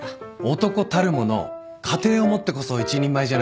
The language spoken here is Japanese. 男たる者家庭を持ってこそ一人前じゃないですか。